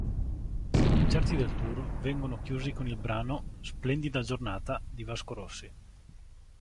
I concerti del Tour vengono chiusi con il brano "Splendida giornata" di Vasco Rossi.